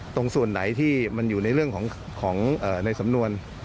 ตรงส่วนไหนที่มันอยู่ในเรื่องของในสำนวน